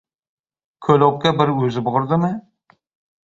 — Ko‘lobga bir o‘zi bordimi?